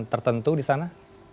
tertentu di sana